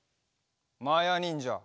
まやにんじゃ？